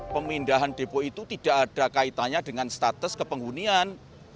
pemindahan depo itu tidak ada kaitannya dengan status kepenghunian